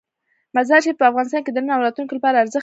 مزارشریف په افغانستان کې د نن او راتلونکي لپاره ارزښت لري.